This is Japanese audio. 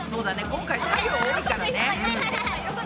今回作業多いからね。